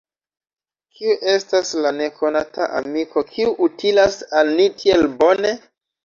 Kiu estas la nekonata amiko, kiu utilas al ni tiel bone?